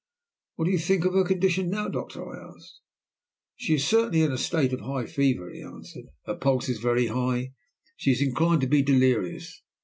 "What do you think of her condition now, doctor?" I asked. "She is certainly in a state of high fever," he answered. "Her pulse is very high, and she is inclined to be delirious.